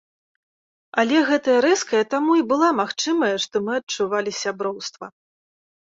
Але гэтая рэзкая таму і была магчымая, што мы адчувалі сяброўства.